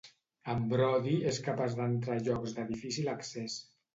En Brody és capaç d'entrar a llocs de difícil accés.